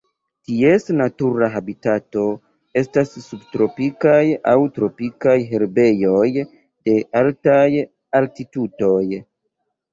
Ties natura habitato estas subtropikaj aŭ tropikaj herbejoj de altaj altitudoj.